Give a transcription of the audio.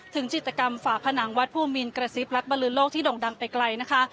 จิตกรรมฝาผนังวัดภูมินกระซิบรักบรินโลกที่ด่งดังไปไกลนะคะ